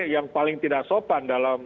yang paling tidak sopan dalam